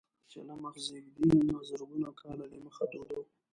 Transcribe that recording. چې له مخزېږدي نه زرګونه کاله دمخه دود و.